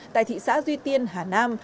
tại thị xã duy tiên hà nam